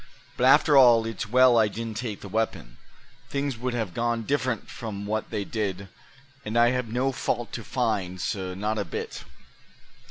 But after all, it's well I didn't take the weapon. Things would have gone different from what they did; and I have no fault to find, suh, not a bit."